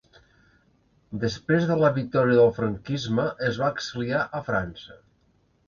Després de la victòria del franquisme es va exiliar a França.